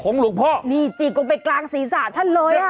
ของหลุงพ่อนี่จีบตรงไปกลางศีรษะท่านเลย